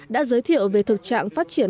đã giới thiệu về thực trạng phát triển